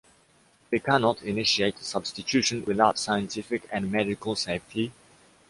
We cannot initiate the substitution without scientific and medical safety.